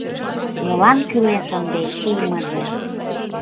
Молан кӱлеш ынде чиймыже.